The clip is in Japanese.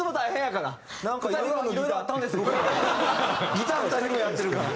ギター２人分やってるから。